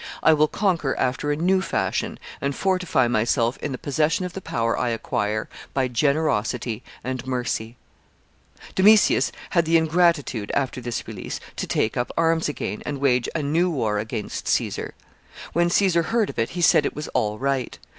I will conquer after a new fashion, and fortify myself in the possession of the power I acquire by generosity and mercy." [Sidenote: Ingratitude of Domitius.] Domitius had the ingratitude, after this release, to take up arms again, and wage a new war against Caesar. When Caesar heard of it, he said it was all right.